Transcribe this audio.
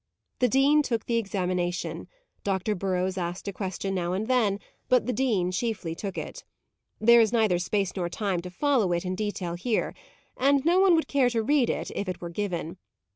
The dean took the examination. Dr. Burrows asked a question now and then, but the dean chiefly took it. There is neither space nor time to follow it in detail here: and no one would care to read it, if it were given.